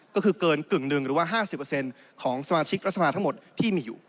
ก็คือเกิน๑หรือ๕๐เปอร์เซ็นต์ของสมาชิกรัฐสมาศาลทั้งหมดที่มีอยู่